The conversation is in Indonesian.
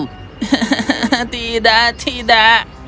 hahaha tidak tidak